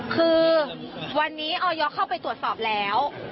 คือวันนี้ออยเข้าไปตรวจสอบแล้ว